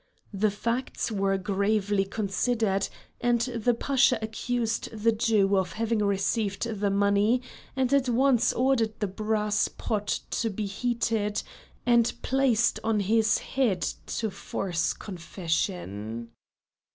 These facts were gravely considered, and the Pasha accused the Jew of having received the money and at once ordered the brass pot to be heated and placed on his head to force confession.